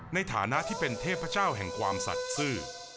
ในฐานะที่เป็นเทพเจ้าแห่งความศักดิ์ซื่อ